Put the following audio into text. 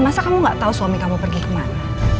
masa kamu gak tahu suami kamu pergi kemana